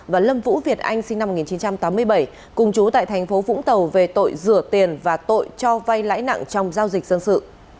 và lâm vũ việt anh sinh năm một nghìn chín trăm tám mươi bảy cùng chú tại thành phố vũng tàu về tội rửa tiền và tội cho vay lãi nặng trong giao dịch dân sự